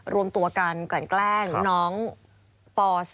รวมตัวกันกลั่นแกล้งน้องป๔